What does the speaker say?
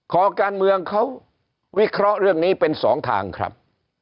ขอการเมืองเขาวิเคราะห์เรื่องนี้เป็นสองทางครับ